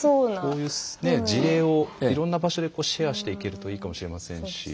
こういう事例をいろんな場所でシェアしていけるといいかもしれませんし。